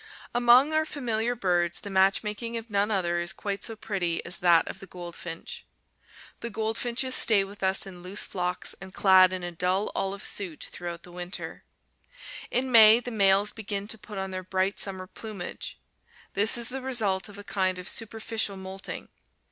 Among our familiar birds the matchmaking of none other is quite so pretty as that of the goldfinch. The goldfinches stay with us in loose flocks and clad in a dull olive suit throughout the winter. In May the males begin to put on their bright summer plumage. This is the result of a kind of superficial moulting.